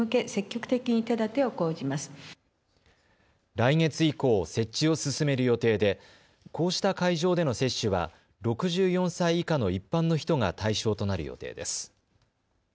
来月以降、設置を進める予定でこうした会場での接種は６４歳以下の一般の人が対象となる予定です。